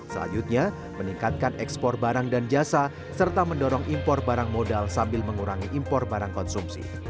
selanjutnya meningkatkan ekspor barang dan jasa serta mendorong impor barang modal sambil mengurangi impor barang konsumsi